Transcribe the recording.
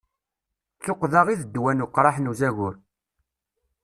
D tuqqda i d ddwa n uqraḥ n uzagur.